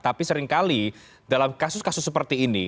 tapi seringkali dalam kasus kasus seperti ini